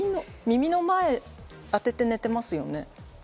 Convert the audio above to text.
耳の前に当てて寝ていますね？